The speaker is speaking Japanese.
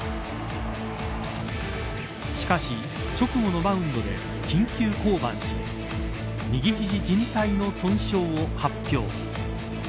しかし、直後のマウンドで緊急降板し右肘靱帯の損傷を発表。